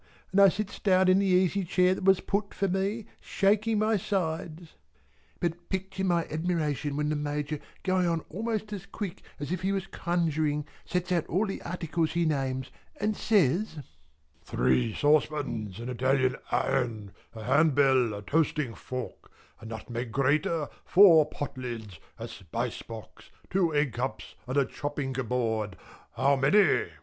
And I sits down in the easy chair that was put for me, shaking my sides. But picture my admiration when the Major going on almost as quick as if he was conjuring sets out all the articles he names, and says "Three saucepans, an Italian iron, a hand bell, a toasting fork, a nutmeg grater, four potlids, a spice box, two egg cups, and a chopping board how many?"